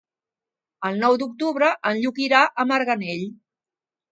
El nou d'octubre en Lluc irà a Marganell.